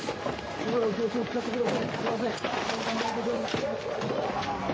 今のお気持ちをお聞かせください。